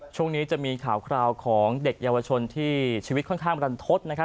ช่วงนี้จะมีข่าวคราวของเด็กเยาวชนที่ชีวิตค่อนข้างบรรทศนะครับ